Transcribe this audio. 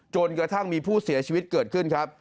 จนกระทั่งมีผู้เสียชีวิตเกิดขึ้นครับ